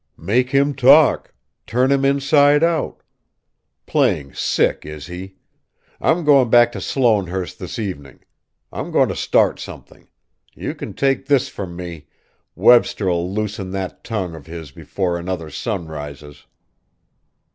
"Make him talk, turn him inside out! Playing sick, is he! I'm going back to Sloanehurst this evening. I'm going to start something. You can take this from me: Webster'll loosen that tongue of his before another sun rises!"